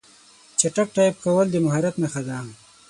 چټک ټایپ کول د مهارت نښه ده.